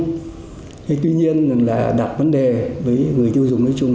thế tuy nhiên là đặt vấn đề với người tiêu dùng nói chung